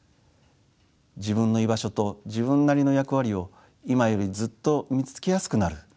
自分の居場所と自分なりの役割を今よりずっと見つけやすくなる。